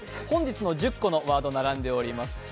本日の１０個のワード、並んでおります。